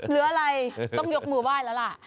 เหรออะไรต้องยกมือว่ายแล้วหล่ะ